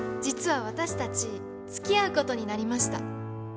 実は私たちつきあうことになりました。